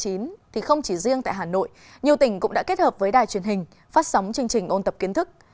trong bệnh covid một mươi chín không chỉ riêng tại hà nội nhiều tỉnh cũng đã kết hợp với đài truyền hình phát sóng chương trình ôn tập kiến thức